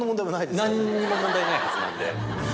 何にも問題ないはずなんで。